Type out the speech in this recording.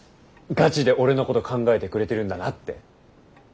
ガチで俺のこと考えてくれてるんだなって。